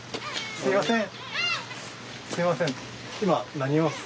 すいません。